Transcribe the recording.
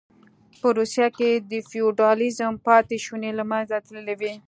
په روسیه کې د فیوډالېزم پاتې شوني له منځه تللې وې